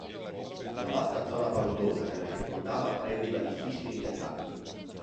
La vasta zona paludosa che la circondava rendeva difficili gli attacchi.